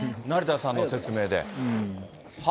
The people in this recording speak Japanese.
成田さんの説明で。